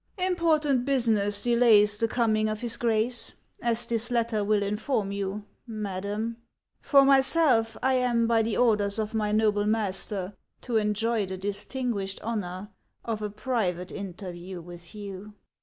" Important business delays the coming of his Grace, as this letter will inform you, Madam. For myself, I am by the orders of my noble master to enjoy the distinguished honor of a private interview with you."